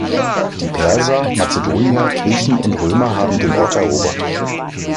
Die Perser, Mazedonier, Griechen und Römer haben den Ort erobert.